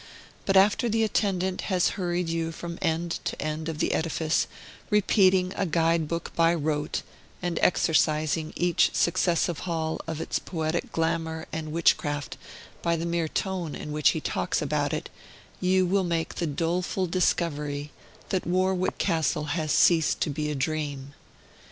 But after the attendant has hurried you from end to end of the edifice, repeating a guide book by rote, and exorcising each successive hall of its poetic glamour and witchcraft by the mere tone in which he talks about it, you will make the doleful discovery that Warwick Castle has ceased to be a dream.